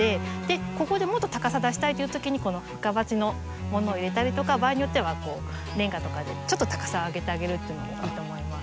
ここでもっと高さ出したいというときにこの深鉢のものを入れたりとか場合によってはレンガとかでちょっと高さ上げてあげるというのもいいと思います。